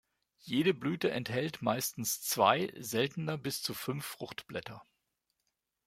Jede Blüte enthält meistens zwei, seltener bis zu fünf Fruchtblätter.